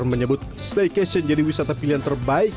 menyebut staycation jadi wisata pilihan terbaik